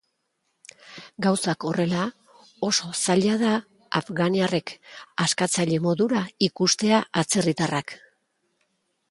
Gauzak horrela, oso zaila da afganiarrek askatzaile modura ikustea atzerritarrak.